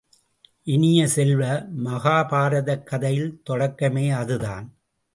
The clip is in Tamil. இனிய செல்வ, மகாபாரதக் கதையில் தொடக்கமே அதுதான்!